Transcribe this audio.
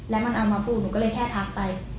แล้วมันเอามาพูดหนูก็เลยแค่ทักไป